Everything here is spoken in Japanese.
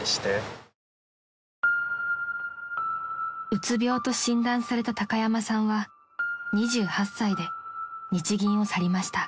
［うつ病と診断された高山さんは２８歳で日銀を去りました］